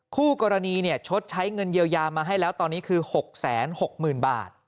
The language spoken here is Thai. คู่กรณีชดใช้เงินเยียวยามาให้แล้วตอนนี้คือ๖๖๐๐๐บาท